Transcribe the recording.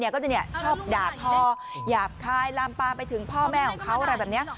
ก็จะชอบด่าทอหยาบคายลามปามไปถึงพ่อแม่ของเขาอะไรแบบนี้